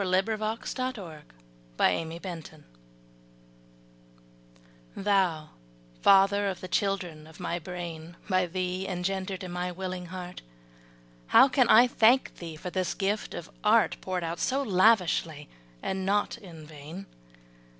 The Promise of the Morning Star Thou father of the children of my brain By thee engendered in my willing heart, How can I thank thee for this gift of art Poured out so lavishly, and not in vain.